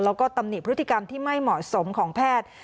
แล้วก็ตำหนิพฤติกรรมที่ไม่เหมาะสมของแพทย์